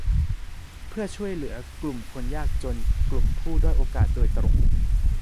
เพื่อช่วยเหลือกลุ่มคนยากจนกลุ่มผู้ด้อยโอกาสโดยตรง